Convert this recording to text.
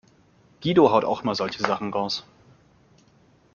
Guido haut auch immer solche Sachen raus.